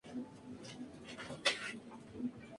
Está a cargo de un Director.